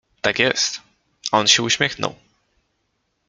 "Tak jest, on się uśmiechnął."